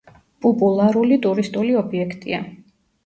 პუპულარული ტურისტული ობიექტია.